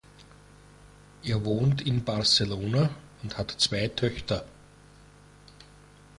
Er wohnt in Barcelona und hat zwei Töchter.